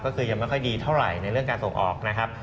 ก็คือยังไม่ค่อยดีเท่าไหร่ในเรื่องการส่งออกนะครับ